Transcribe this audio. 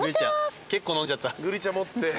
結構飲んじゃった。